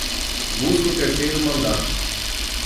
Busca o terceiro mandato